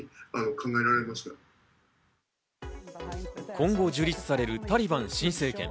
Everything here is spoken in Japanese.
今後、樹立されるタリバン新政権。